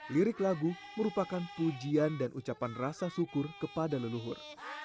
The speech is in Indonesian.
lirik lagu merupakan pujian dan ucapan rasa syukur kepada leluhur